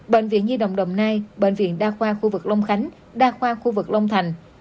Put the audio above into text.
bệnh viện nhi đồng đồng nai bệnh viện đa khoa khu vực long khánh đa khoa khu vực long thành